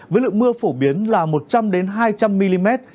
với lượng mưa phổ biến là một trăm linh hai trăm linh mm